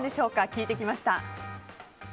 聞いてきました。